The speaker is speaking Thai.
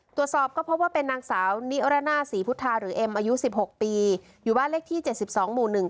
ตรวจสอบก็พบว่าเป็นนางสาวนิรณาศรีพุทธาหรือเอ็มอายุสิบหกปีอยู่บ้านเลขที่เจ็ดสิบสองหมู่หนึ่ง